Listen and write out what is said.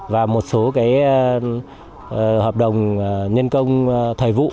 và một số hợp đồng nhân công thời vụ